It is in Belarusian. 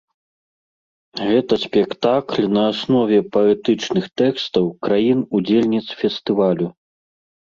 Гэта спектакль на аснове паэтычных тэкстаў краін-удзельніц фестывалю.